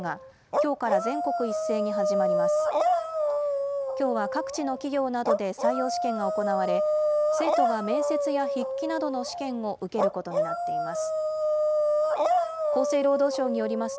きょうは各地の企業などで採用試験が行われ、生徒が面接や筆記などの試験を受けることになっています。